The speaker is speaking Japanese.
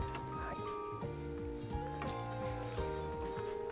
はい。